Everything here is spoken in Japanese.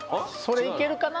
れいけるかな？